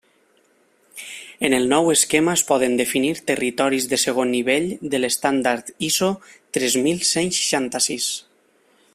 En el nou esquema es poden definir territoris de segon nivell de l'estàndard ISO tres mil cent seixanta-sis.